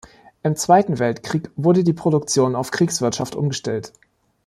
Im Zweiten Weltkrieg wurde die Produktion auf Kriegswirtschaft umgestellt.